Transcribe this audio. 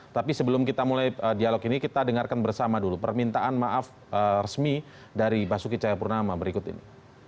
tapi sebelum kita mulai dialog ini kita dengarkan bersama dulu permintaan maaf resmi dari basuki cahayapurnama berikut ini